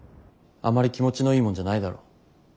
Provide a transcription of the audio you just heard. あまり気持ちのいいもんじゃないだろ。